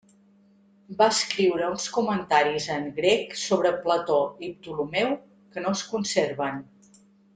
Va escriure uns comentaris en grec sobre Plató i Ptolemeu que no es conserven.